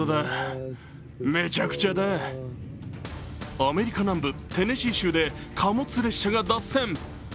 アメリカ南部テネシー州で貨物列車が脱線。